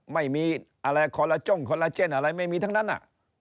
ไม่มีอะไรคอลลาจ้งคอลลาเจนอะไรไม่มีทั้งนั้น